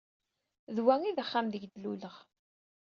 D wa ay d axxam aydeg d-luleɣ.